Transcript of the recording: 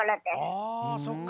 ああそっか。